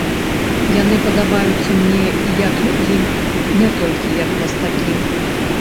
Яны падабаюцца мне і як людзі, не толькі як мастакі.